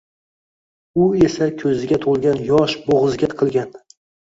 U es ko’ziga to’lgan yosh bo’g’ziga tiqilgan